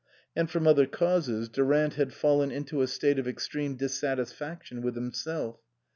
And from other causes Durant had fallen into a state of extreme dissatisfaction with himself.